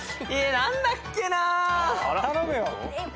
何だっけな。